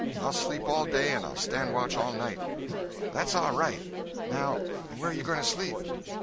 I'll sleep all day and I'll stand watch all night." "That's all right. Now, where you going to sleep?"